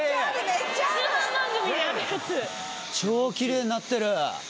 超きれいになってる！